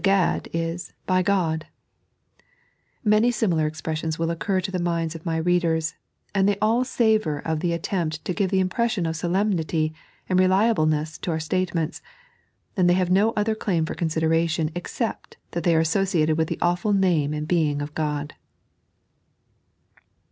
"Begad," is "By God." Many similar expressions will occur to the minds tA my readers, and they all savour of the attempt to give the impression of solemnity and reliableness to our statements ; and they have no other claim for ccmsideration except that they are associated with the awful Name and Being of God.